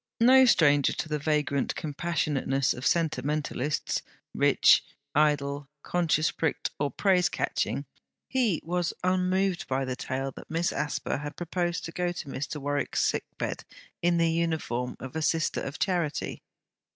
No stranger to the vagrant compassionateness of sentimentalists; rich, idle, conscience pricked or praise catching; he was unmoved by the tale that Miss Asper had proposed to go to Mr. Warwick's sick bed in the uniform of a Sister of Charity.